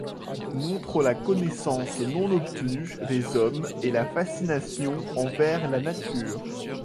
Montre la connaissance non obtenue des hommes et la fascination envers la nature.